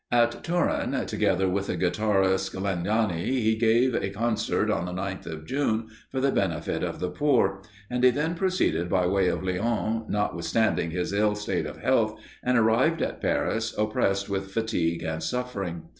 At Turin, together with the guitarist Legnani, he gave a concert on the 9th of June, for the benefit of the poor; and he then proceeded by way of Lyons, notwithstanding his ill state of health, and arrived at Paris oppressed with fatigue and suffering.